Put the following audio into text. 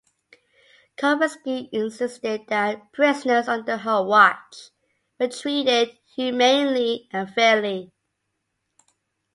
Karpinski insisted that prisoners under her watch were treated "humanely and fairly".